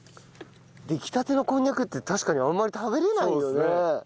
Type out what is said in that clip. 出来たてのこんにゃくって確かにあんまり食べれないよね。